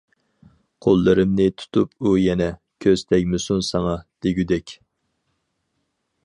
قوللىرىمنى تۇتۇپ ئۇ يەنە، كۆز تەگمىسۇن ساڭا دېگۈدەك.